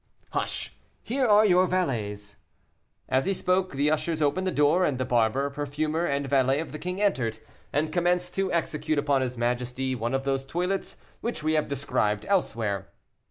"Hush! here are your valets." As he spoke, the ushers opened the door, and the barber, perfumer, and valet of the king entered, and commenced to execute upon his majesty one of those toilets which we have described elsewhere.